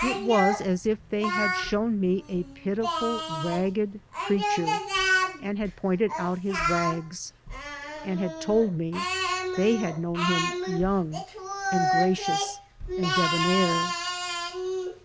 It was as if they had shown me a pitiful ragged creature, and had pointed out his rags, and had told me they had known him young and gracious and debonair.